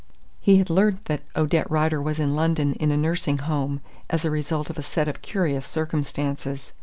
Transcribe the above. He had learnt that Odette Rider was in London in a nursing home, as the result of a set of curious circumstances.